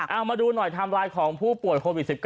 เอามาดูหน่อยไทม์ไลน์ของผู้ป่วยโควิด๑๙